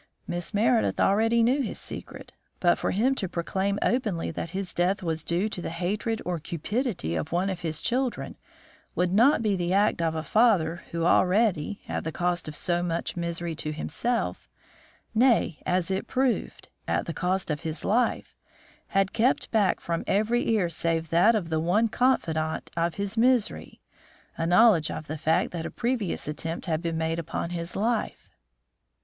Miss Meredith already knew his secret, but for him to proclaim openly that his death was due to the hatred or cupidity of one of his children would not be the act of a father who already, at the cost of so much misery to himself, nay, as it proved, at the cost of his life, had kept back from every ear save that of the one confidant of his misery, a knowledge of the fact that a previous attempt had been made upon his life."